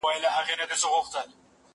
زه به سبا سبزېجات جمع کړم!!